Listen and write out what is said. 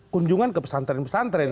kunjungan ke pesantren pesantren